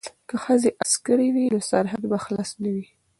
که ښځې عسکرې وي نو سرحد به خلاص نه وي.